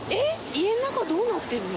家の中どうなってるの？